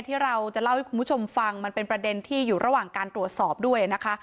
ที่เราจะเล่าให้คุณผู้ชมฟังมันเป็นประเด็นที่อยู่ระหว่างการตรวจสอบด้วยนะคะ